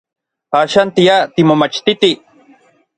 Axan tia timomachtiti.